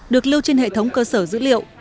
được lưu trên hệ thống cơ sở dữ liệu